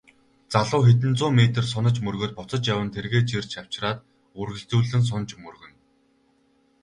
Залуу хэдэн зуун метр сунаж мөргөөд буцаж яван тэргээ чирч авчраад үргэлжлүүлэн сунаж мөргөнө.